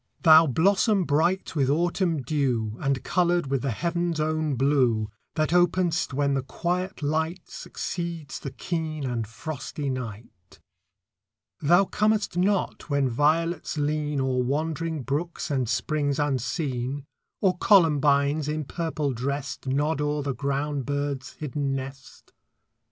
Thou blossom bright with autumn dew, And coloured with the heaven's own blue, That openest when the quiet light Succeeds the keen and frosty night. Thou comest not when violets lean O'er wandering brooks and springs unseen, Or columbines, in purple dressed, Nod o'er the ground bird's hidden nest.